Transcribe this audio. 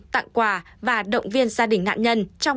tặng quà và động viên gia đình nạn nhân